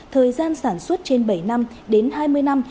thời gian sản xuất trên bảy năm đến hai mươi năm